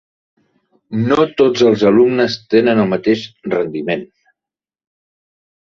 No tots els alumnes tenen el mateix rendiment.